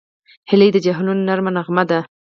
هیلۍ د جهیلونو نرمه نغمه ده